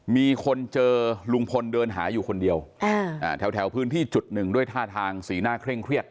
มีคนเจอลุงพลเดินหาอยู่คนเดียวแถวพื้นที่จุดหนึ่งด้วยท่าทางสีหน้าเคร่งเครียด